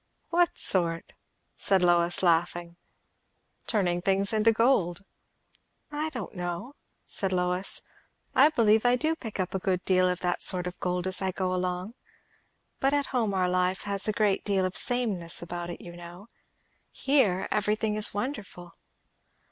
"What sort?" said Lois, laughing. "Turning nothings into gold." "I don't know," said Lois. "I believe I do pick up a good deal of that sort of gold as I go along. But at home our life has a great deal of sameness about it, you know. Here everything is wonderful."